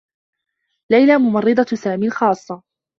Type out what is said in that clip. ليلى ممرّضة سامي الخاصّة.